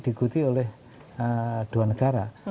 diikuti oleh dua negara